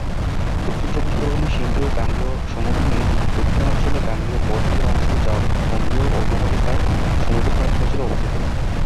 দক্ষিণ চব্বিশ পরগনা সিন্ধু-গাঙ্গেয় সমভূমির দক্ষিণাঞ্চলের গাঙ্গেয় ব-দ্বীপের অংশ যা বঙ্গীয় অববাহিকার সমুদ্র প্রান্তিক অঞ্চলে অবস্থিত।